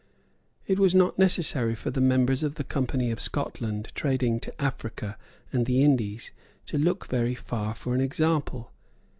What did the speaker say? It was not necessary for the members of the Company of Scotland trading to Africa and the Indies to look very far for an example.